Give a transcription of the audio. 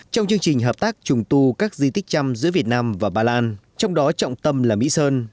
trong chương trình hợp tác trùng tu các di tích trăm giữa việt nam và ba lan trong đó trọng tâm là mỹ sơn